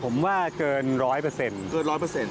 ผมว่าเกินร้อยเปอร์เซ็นต์เกินร้อยเปอร์เซ็นต์